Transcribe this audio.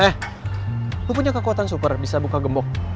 eh gue punya kekuatan super bisa buka gembok